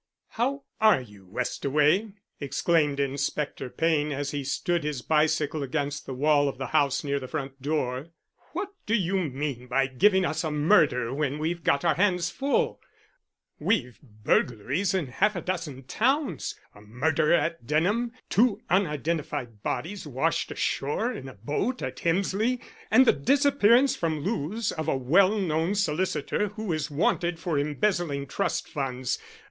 "How are you, Westaway?" exclaimed Inspector Payne, as he stood his bicycle against the wall of the house near the front door. "What do you mean by giving us a murder when we've got our hands full? We've burglaries in half a dozen towns, a murder at Denham, two unidentified bodies washed ashore in a boat at Hemsley, and the disappearance from Lewes of a well known solicitor who is wanted for embezzling trust funds.